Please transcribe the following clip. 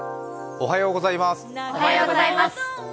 おはようございます。